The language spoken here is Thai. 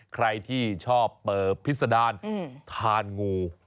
ใครที่ชอบพิษดานทานงู